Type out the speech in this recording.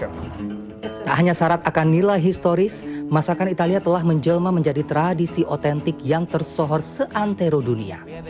tak hanya syarat akan nilai historis masakan italia telah menjelma menjadi tradisi otentik yang tersohor seantero dunia